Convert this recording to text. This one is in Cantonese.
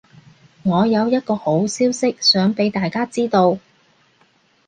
我有一個好消息想畀大家知道